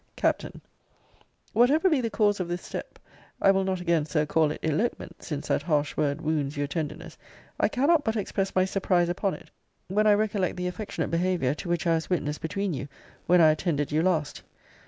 Capt. Whatever be the cause of this step, (I will not again, Sir, call it elopement, since that harsh word wounds your tenderness,) I cannot but express my surprise upon it, when I recollect the affectionate behaviour, to which I was witness between you, when I attended you last.